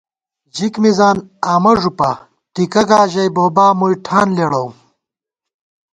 ژِک مِزان آمہ ݫُپا ، ٹِکہ گا ژَئی بوبا مُوئی ٹھان لېڑَوُم